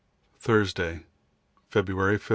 Thursday, February 15.